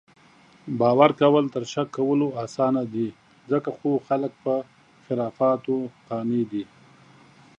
باؤر کؤل تر شک کؤلو اسانه دي، ځکه خو خلک پۀ خُرفاتو قانع دي